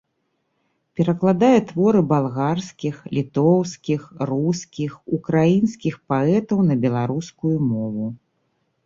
Перакладае творы балгарскіх, літоўскіх, рускіх, украінскіх паэтаў на беларускую мову.